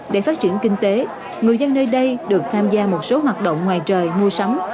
để phát triển kinh tế người dân nơi đây được tham gia một số hoạt động ngoài trời mua sắm